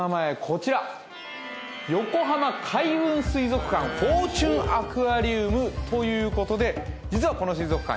こちら横浜開運水族館フォーチュンアクアリウムということで実はこの水族館